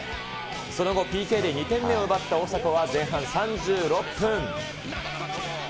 その後、ＰＫで２点目を奪った大迫は前半３６分。